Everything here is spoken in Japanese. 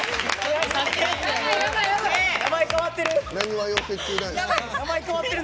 名前変わってる！